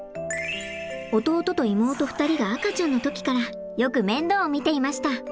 弟と妹２人が赤ちゃんの時からよく面倒を見ていました！